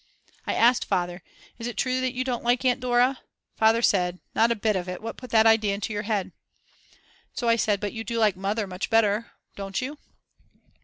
I asked Father, "Is it true that you don't like Aunt Dora?" Father said: "Not a bit of it, what put that idea into your head?" So I said: "But you do like Mother much better, don't you?"